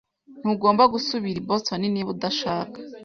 Ntugomba gusubira i Boston niba udashaka.